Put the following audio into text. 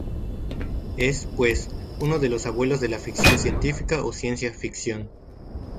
Es, pues, uno de los abuelos de la ficción científica o Ciencia ficción.